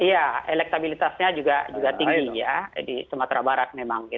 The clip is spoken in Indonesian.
iya elektabilitasnya juga tinggi ya di sumatera barat memang